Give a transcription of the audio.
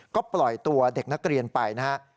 ก็ปล่อยตัวเด็กนักเรียนไปนะครับ